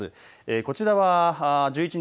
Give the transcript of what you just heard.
こちらは１１日